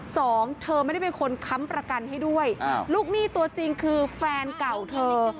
สองเธอไม่ได้เป็นคนค้ำประกันให้ด้วยลูกหนี้ตัวจริงคือแฟนเก่าเธอ